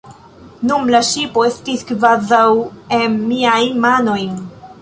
Nun la ŝipo estis kvazaŭ en miajn manojn.